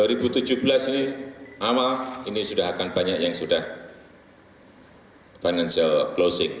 dua ribu tujuh belas ini awal ini sudah akan banyak yang sudah financial closing